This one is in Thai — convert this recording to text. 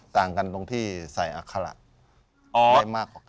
ต่างกันตรงที่ใส่หัวกสัตว์ใส่อัคาระ